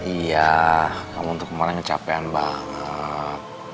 iya kamu tuh kemarin kecapean banget